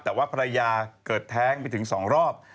แต่ว่าภรรยาเกิดแท้งไปถึง๒รอบ